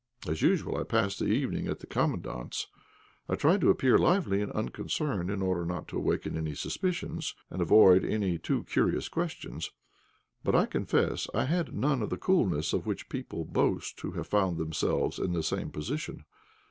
As usual I passed the evening at the Commandant's. I tried to appear lively and unconcerned in order not to awaken any suspicions, and avoid any too curious questions. But I confess I had none of the coolness of which people boast who have found themselves in the same position.